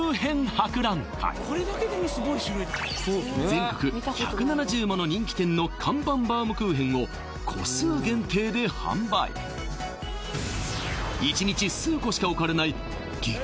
全国１７０もの人気店の看板バウムクーヘンを個数限定で販売１日数個しか置かれない激